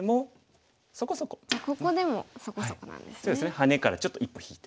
ハネからちょっと一歩引いて。